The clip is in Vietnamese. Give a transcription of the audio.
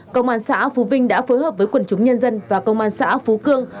công an xã phú vinh đã phối hợp với quần chúng nhân dân và công an xã phú cương